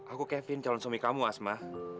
aku kevin calon suami kamu asma